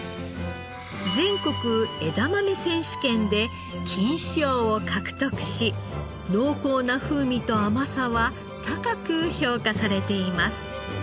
全国えだまめ選手権で金賞を獲得し濃厚な風味と甘さは高く評価されています。